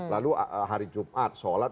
lalu hari jumat sholat